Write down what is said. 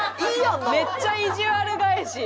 めっちゃいじわる返し！